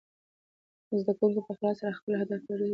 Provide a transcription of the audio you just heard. زده کونکي په اخلاص سره خپل اهداف ته ورسوي.